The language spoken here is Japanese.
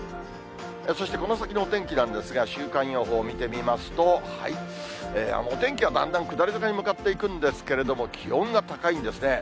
そしてこの先のお天気なんですが、週間予報見てみますと、お天気はだんだん下り坂に向かっていくんですけれども、気温が高いんですね。